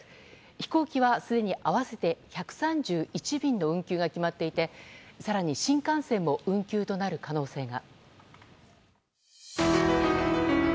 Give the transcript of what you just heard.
飛行機は合わせて１３１便の運休が決まっていて更に新幹線も運休となる可能性が。